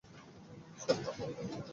শার্টটা পরে থাকো, বন্ধু।